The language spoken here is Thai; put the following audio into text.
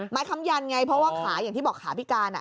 ค้ำยันไงเพราะว่าขาอย่างที่บอกขาพิการ